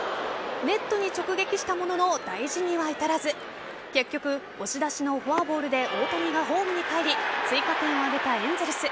ネットに直撃したものの大事には至らず結局、押し出しのフォアボールで大谷がホームにかえり追加点を挙げたエンゼルス。